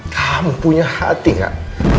kamu punya hati gak